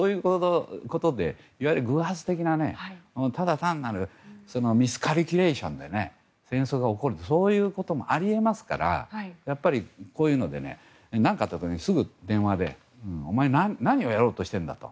いわゆる偶発的な、ただ単なるミスカリキュレーションで戦争が起こるそういうこともあり得ますから何かあった時にすぐ電話でお前何をやろうとしてるんだと。